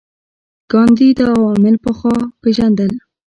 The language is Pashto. ګاندي دا عوامل پخوا پېژندل.